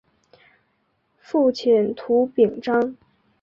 父亲涂秉彰。